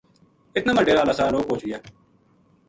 اتنا ما ڈیرا ہالا سارا لوک پوہچ گیا